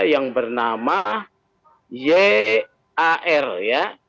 yang bernama yar ya